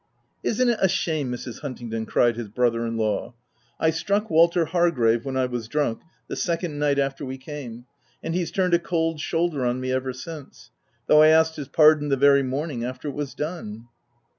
"Isn't it a shame, Mrs. Huntingdon?" cried his brother in law —" I struck Walter Hargrave when I was drunk, the second night after we came, and he's turned a cold shoulder on me ever since ; though I asked his pardon the very morning after it was done